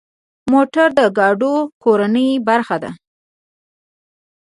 موټر د ګاډو کورنۍ برخه ده.